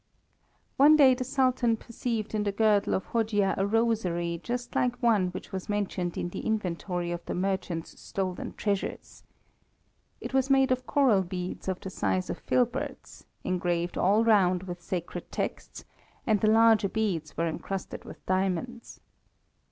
One day the Sultan perceived in the girdle of Hojia a rosary just like one which was mentioned in the inventory of the merchant's stolen treasures. It was made of coral beads of the size of filberts, engraved all round with sacred texts, and the larger beads were encrusted with diamonds.